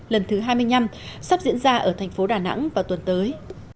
lần thứ hai mươi năm sắp diễn ra ở thành phố đà nẵng vào tuần tới